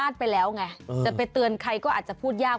จะไปเตือนใครก็อาจจะพูดยาก